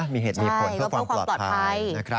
มีเหตุมีผลเพื่อความปลอดภัย